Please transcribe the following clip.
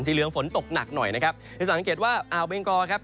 เหลืองฝนตกหนักหน่อยนะครับจะสังเกตว่าอ่าวเบงกอครับ